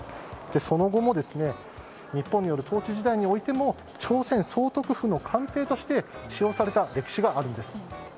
その後も日本による統治時代においても朝鮮総督府の官邸として使用された歴史があるんです。